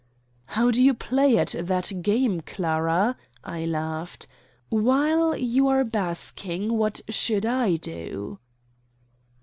"How do you play at that game, Clara?" I laughed. "While you are 'basking,' what should I do?"